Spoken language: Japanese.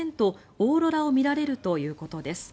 オーロラを見られるということです。